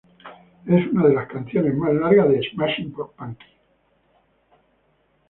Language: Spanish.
Es una de las canciones más largas de Smashing Pumpkins.